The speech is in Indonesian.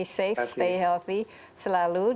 semoga selalu aman